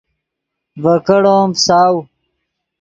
ڤے کیڑو ام فساؤ